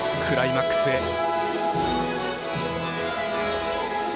クライマックスへ。